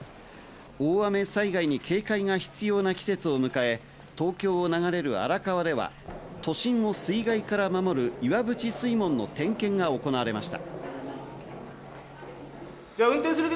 大雨災害に警戒が必要な季節を迎え、東京を流れる荒川では都心を水害から守る岩淵水門の点検が行われました。